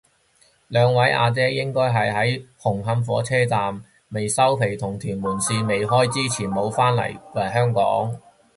兩位阿姐應該係喺紅磡火車站未收皮同屯馬綫未開之前冇返過嚟香港